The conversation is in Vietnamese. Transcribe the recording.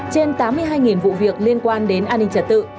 trên tám mươi hai vụ việc liên quan đến an ninh trật tự